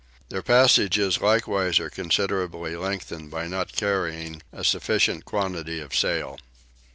Their passages likewise are considerably lengthened by not carrying a sufficient quantity of sail.